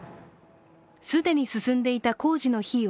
既に進んでいた工事の費用